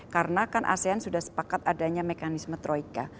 karena kan asean sudah sepakat adanya mekanisme troika